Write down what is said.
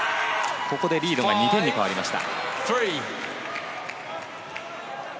ここでリードが２点に変わりました。